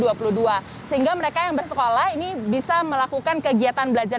tanggal dua belas mei tahun dua ribu dua puluh dua sehingga mereka yang bersekolah ini bisa melakukan kegiatan belajar